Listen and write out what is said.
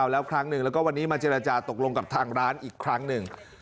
แล้ววันนี้มาจีนรจาตกลงกับทางร้านอีกครั้งหนึ่ง